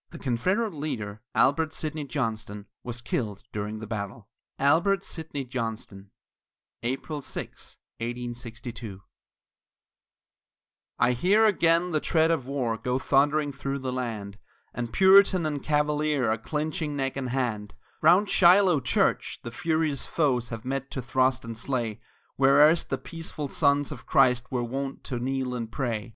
The Confederate leader, Albert Sidney Johnston, was killed during the battle. ALBERT SIDNEY JOHNSTON [April 6, 1862] I hear again the tread of war go thundering through the land, And Puritan and Cavalier are clinching neck and hand, Round Shiloh church the furious foes have met to thrust and slay, Where erst the peaceful sons of Christ were wont to kneel and pray.